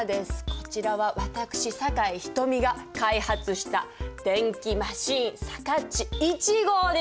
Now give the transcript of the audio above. こちらは私酒井瞳が開発した転記マシーンさかっち１号です。